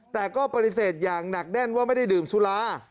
แต่ก็ปฏิเสธอย่างหนักแน่นว่าไม่ได้ดื่มสุรา